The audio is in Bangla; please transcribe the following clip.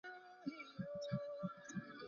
যেটাকে আমি আগে কখনো দেখিনি।